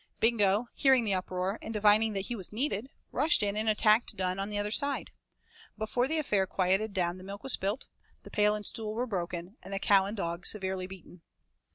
Bingo, hearing the uproar, and divining that he was needed, rushed in and attacked Dunne on the other side. Before the affair quieted down the milk was spilt, the pail and stool were broken, and the cow and the dog severely beaten.